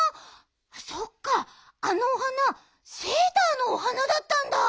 そっかあのお花セーターのお花だったんだ。